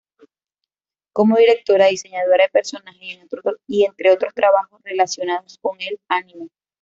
Como directora, diseñadora de personajes, y entre otros trabajos relacionados con el Anime.